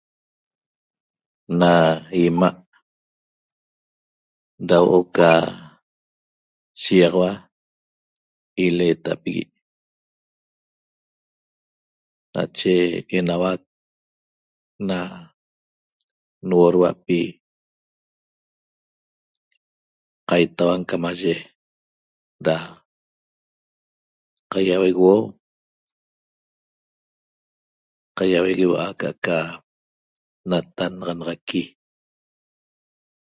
Na ima' da huo'o ca shigaxaua ileetapigui nache enauac na nhuorhuapi qaitauan ca maye ra qaiauegueuo' qaiauegueua' ca'aca natannaxanaxaqui